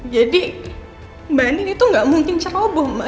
jadi mbak andini tuh gak mungkin ceroboh ma